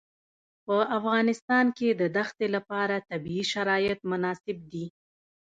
په افغانستان کې د دښتې لپاره طبیعي شرایط مناسب دي.